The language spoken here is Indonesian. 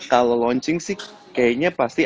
kalau launching sih kayaknya pasti